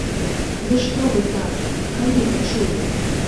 Ды што вы, тату, калі вы чулі?